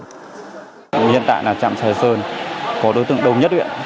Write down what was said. hiện tại là trạm sài sơn có đối tượng đông nhất huyện